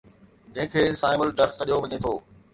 جنهن کي صائم الدر سڏيو وڃي ٿو